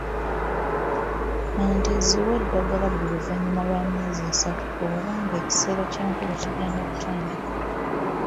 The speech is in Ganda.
Ente ziwe eddagala buli luvannyuma lwa myezi esatu oba nga ekiseera ky’enkuba kigenda kutandika.